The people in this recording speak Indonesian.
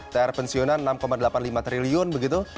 tr pensiunan enam delapan puluh lima triliun begitu